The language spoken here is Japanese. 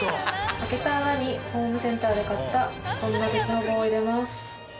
開けた穴にホームセンターで買ったこんな鉄の棒を入れます。